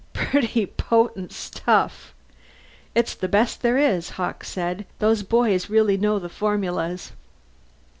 "Pretty potent stuff!" "It's the best there is," Hawkes said. "Those boys really know the formulas."